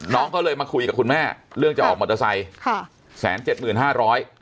น้องก็เลยมาคุยกับคุณแม่เรื่องจะออกมอเตอร์ไซค์๑๗๕๐๐๐๐บาท